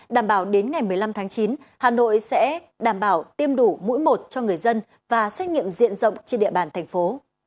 đảm bảo đến ngày một mươi năm tháng chín hà nội sẽ đảm bảo tiêm đủ mũi một cho người dân và xét nghiệm diện rộng trên địa bàn thành phố